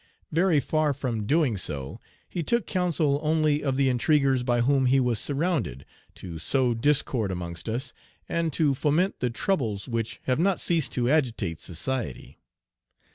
Very far from doing so, he took counsel only of the intriguers by whom he was surrounded, to sow discord amongst us, and to foment the troubles which have not ceased to agitate society.